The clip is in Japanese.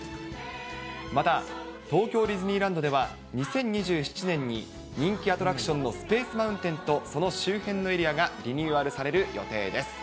また、東京ディズニーランドでは２０２７年に、人気アトラクションのスペース・マウンテンとその周辺のエリアがリニューアルされる予定です。